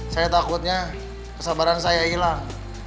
saya takutnya kesabaran saya hilang